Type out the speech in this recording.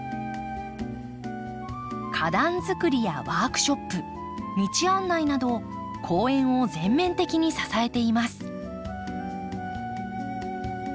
花壇づくりやワークショップ道案内など公園を全面的に支えています。